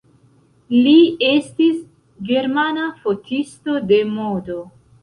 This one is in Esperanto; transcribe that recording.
Li estis germana fotisto de modo.